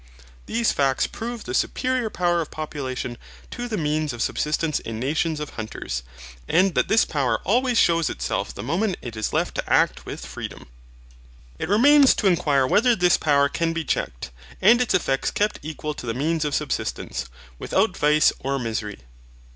These facts prove the superior power of population to the means of subsistence in nations of hunters, and that this power always shews itself the moment it is left to act with freedom. It remains to inquire whether this power can be checked, and its effects kept equal to the means of subsistence, without vice or misery.